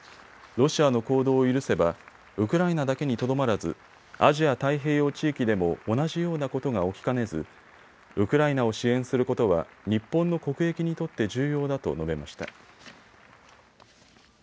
ロシアの行動を許せばウクライナだけにとどまらずアジア太平洋地域でも同じようなことが起きかねずウクライナを支援することは日本の国益にとって重要だと述べました。